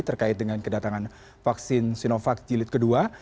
terkait dengan kedatangan vaksin sinovac jilid kedua